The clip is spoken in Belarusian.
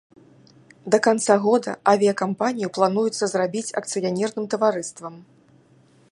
Да канца года авіякампанію плануецца зрабіць акцыянерным таварыствам.